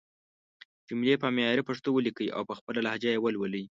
جملې په معياري پښتو وليکئ او په خپله لهجه يې ولولئ!